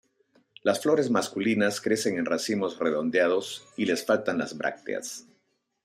Las flores masculinas crecen en racimos redondeados y les faltan las brácteas.